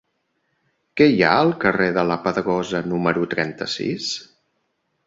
Què hi ha al carrer de la Pedrosa número trenta-sis?